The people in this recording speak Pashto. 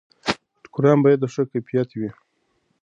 ټوکران باید د ښه کیفیت وي.